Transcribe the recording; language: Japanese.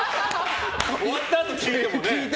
終わったあと聞いてもね。